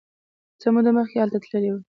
څه موده مخکې هلته تللی و.